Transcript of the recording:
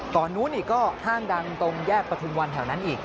นู้นอีกก็ห้างดังตรงแยกประทุมวันแถวนั้นอีก